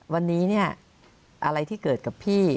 วันนี้เนี่ยอะไรที่เกิดกับพี่